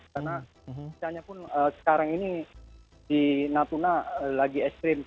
karena misalnya pun sekarang ini di latuna lagi ekstrim